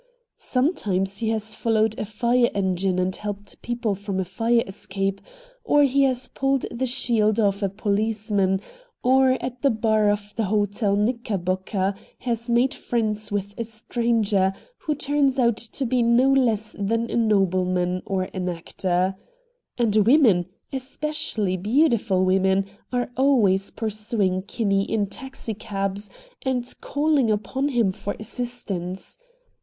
Sometimes he has followed a fire engine and helped people from a fire escape, or he has pulled the shield off a policeman, or at the bar of the Hotel Knickerbocker has made friends with a stranger, who turns out to be no less than a nobleman or an actor. And women, especially beautiful women, are always pursuing Kinney in taxicabs and calling upon him for assistance.